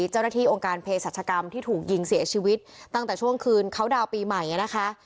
เจ้าหน้าที่องค์การเพศรัชกรรมที่ถูกยิงเสียชีวิตตั้งแต่ช่วงคืนเขาดาวน์ปีใหม่นะคะ